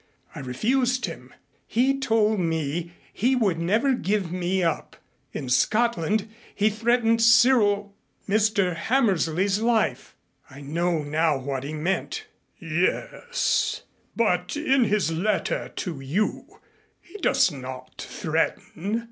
I refused him. He told me he would never give me up. In Scotland he threatened Cyril Mr. Hammersley's life. I know now what he meant." "Yes, but in his letter to you he does not threaten.